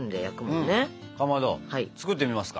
かまど作ってみますか。